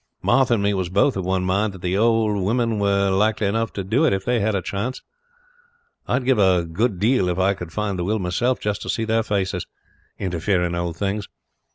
Martha and me was both of one mind that the old women were likely enough to do it if they had a chance. I would give a good deal if I could find the will myself just to see their faces; interfering old things.